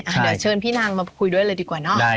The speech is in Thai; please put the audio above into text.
เดี๋ยวเชิญพี่นางมาคุยด้วยเลยดีกว่าเนอะ